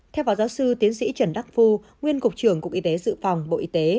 theo phó giáo sư tiến sĩ trần đắc phu nguyên cục trưởng cục y tế dự phòng bộ y tế